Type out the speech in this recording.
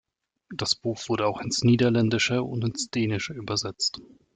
Das Buch wurde auch ins Niederländische und ins Dänische übersetzt.